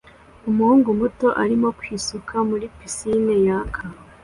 Umuhungu muto arimo kwisuka muri pisine yaka